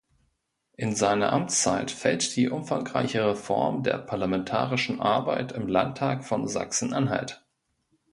In seine Amtszeit fällt die umfangreiche Reform der parlamentarischen Arbeit im Landtag von Sachsen-Anhalt.